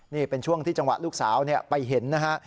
นี่เป็นช่วงที่จังหวะลูกสาวไปเห็นนะฮะ